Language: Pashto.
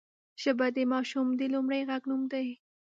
ژبه د ماشوم د لومړني غږ نوم دی